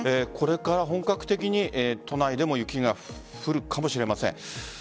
これから本格的に都内でも雪が降るかもしれません。